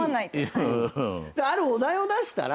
あるお題を出したら。